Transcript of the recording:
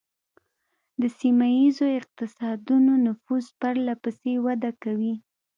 د سیمه ایزو اقتصادونو نفوذ پرله پسې وده کوي